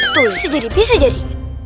tuh bisa jadi bisa jadi